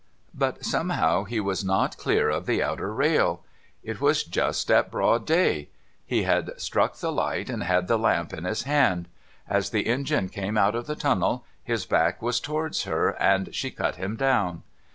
But somehow he was not clear of the outer rail. It was just at broad day. He had struck the light, and had the lamp in his hand. As the engine came out of the tunnel, his back was towards her, and she cut him down.